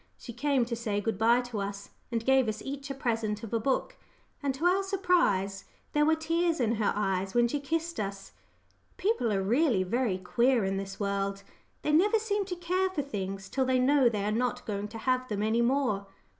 She came to say good bye to us, and gave us each a present of a book and, to our surprise, there were tears in her eyes when she kissed us! People are really very queer in this world they never seem to care for things till they know they are not going to have them any more.